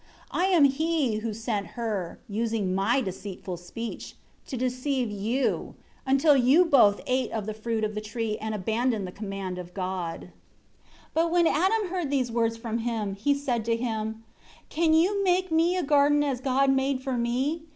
I am he who sent her, using my deceitful speech, to deceive you, until you both ate of the fruit of the tree and abandoned the command of God." 3 But when Adam heard these words from him, he said to him, "Can you make me a garden as God made for me?